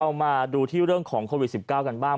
มาดูที่เรื่องของโควิด๑๙กันบ้าง